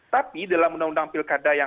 tapi dalam undang undang pilkada yang